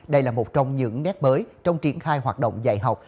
đây là một trong những nét mới trong triển khai hoạt động dạy học